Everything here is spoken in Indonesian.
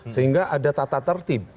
sehingga ada tata tertib